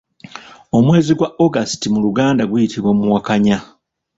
Omwezi gwa August mu luganda guyitibwa Muwakanya.